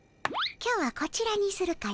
今日はこちらにするかの。